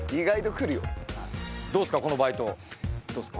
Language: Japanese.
どうすか？